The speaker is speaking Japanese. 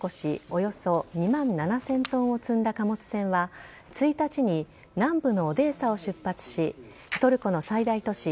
およそ２万７０００ｔを積んだ貨物船は１日に南部のオデーサを出発しトルコの最大都市